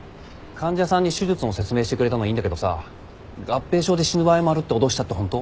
患者さんに手術の説明してくれたのはいいんだけどさ合併症で死ぬ場合もあるって脅したって本当？